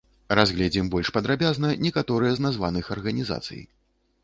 Разгледзім больш падрабязна некаторыя з названых арганізацый.